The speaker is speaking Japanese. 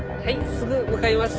すぐ向かいます。